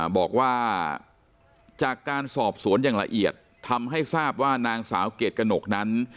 บอกว่าจากการสอบสวนอย่างละเอียดทำให้ทราบว่านางสาวเกรดกระหนกนั้น